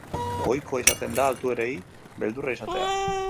Ohikoa izaten da altuerei beldurra izatea.